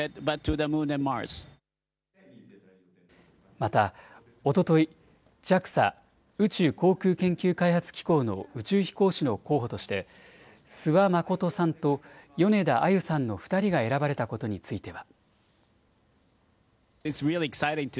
また、おとといＪＡＸＡ・宇宙航空研究開発機構の宇宙飛行士の候補として諏訪理さんと米田あゆさんの２人が選ばれたことについては。